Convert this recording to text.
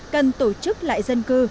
cần tổ chức lại dân cư